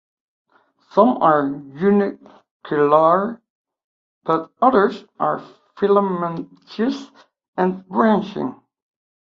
Some are unicellular, but others are filamentous and branching.